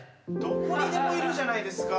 どこにでもいるじゃないですか。